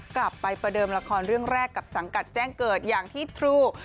กลับไปประเดิมละครเรื่องแรกกับสังกัดแจ้งเกิดอย่างที่ทรู